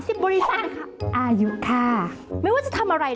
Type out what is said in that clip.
สิ่งสุดท้ายที่เธอฝากไว้